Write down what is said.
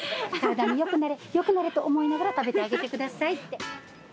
体によくなれよくなれと思いながら食べてあげて下さいって。